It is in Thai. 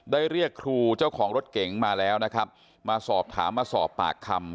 ได้เรียกครูเจ้าของรถเก๋งมาแล้วนะครับมาสอบถามมาสอบปากคำ